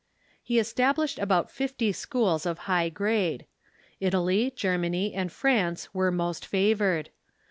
He established about fifty schools of high grade. Italy, Germany, and France were most favored.